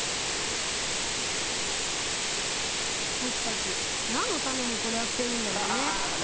僕たち、何のためにこれやってるんだろうね。